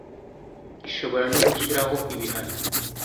ishobora no gushyiraho ibihano